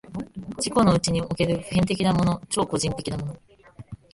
自己のうちにおける普遍的なもの、超個人的なもの、